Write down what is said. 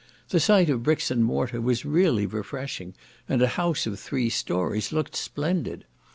The sight of bricks and mortar was really refreshing, and a house of three stories looked splendid.